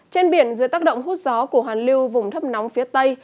trên biển dưới tác động hút gió của hoàn lưu vùng thấp nóng phía tây